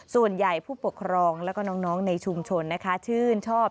ส่วนใหญ่ผู้ปกครองและก็น้องในชุมชนนะคะชื่นชอบ